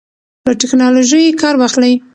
له ټیکنالوژۍ کار واخلئ.